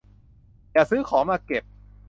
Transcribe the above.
อย่าซื้อของมาเก็บ